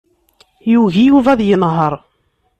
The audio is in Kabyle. Yugi Yuba ad yenheṛ.